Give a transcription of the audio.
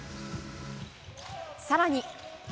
更に。